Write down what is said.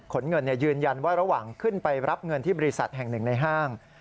เงินยืนยันว่าระหว่างขึ้นไปรับเงินที่บริษัทแห่งหนึ่งในห้าง